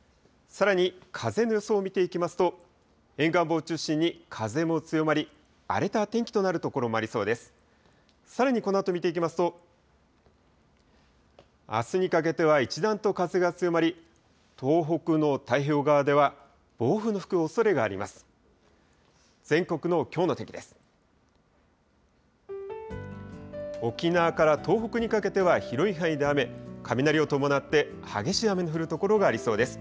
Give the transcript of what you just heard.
さらにこのあと見ていきますと、あすにかけては一段と風が強まり、東北の太平洋側では暴風の吹くおそれがあります。